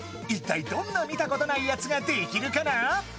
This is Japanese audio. いったいどんな見たことないやつができるかな？